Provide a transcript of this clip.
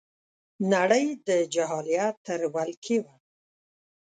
نړۍ د جاهلیت تر ولکې وه